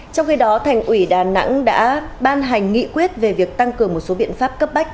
trong khi đó thành ủy đà nẵng đã ban hành nghị quyết về việc tăng cường một số biện pháp cấp bách